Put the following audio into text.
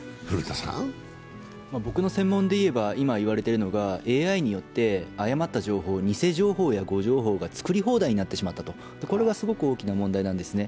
僕の専門でいえば、今、言われているのが、ＡＩによって誤った情報、偽情報や誤情報が作り放題になってしまったと、これはすごく大きな問題なんですね。